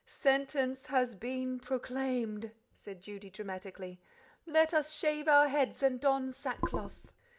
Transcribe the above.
"Sentence has been proclaimed," said Judy dramatically: "let us shave our heads and don sackcloth."